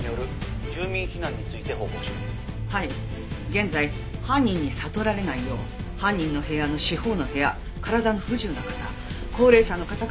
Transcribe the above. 現在犯人に悟られないよう犯人の部屋の四方の部屋体の不自由な方高齢者の方から避難させ。